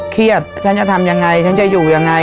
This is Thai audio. ฉันจะทำยังไงฉันจะอยู่ยังไง